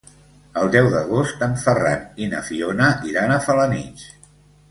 El deu d'agost en Ferran i na Fiona iran a Felanitx.